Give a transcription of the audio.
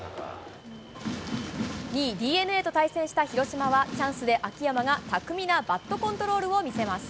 ２位ＤｅＮＡと対戦した広島はチャンスで秋山が巧みなバットコントロールを見せます。